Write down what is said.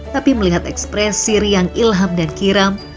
tapi melihat ekspresi riang ilham dan kiram